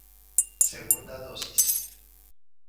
Segunda dosis